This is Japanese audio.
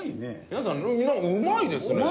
皆さんうまいですね。